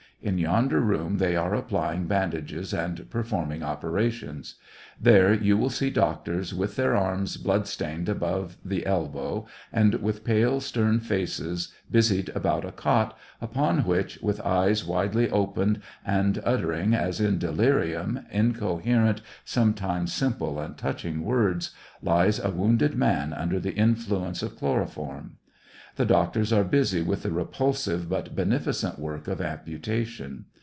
In yonder room they are applying bandages and performing operations. There, you will see doctors with their arms blood stained above the elbow, and with pale, stern faces, busied about a cot, upon which, with eyes widely opened, and uttering, as in delirium, inco herent, sometimes simple and touching words, lies a wounded man under the influence of chloro form: The doctors are busy with the repulsive but beneficent work of amputation.